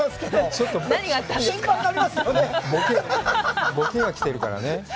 ちょっとボケが来てるからね。